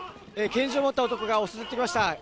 拳銃を持った男が襲ってきました。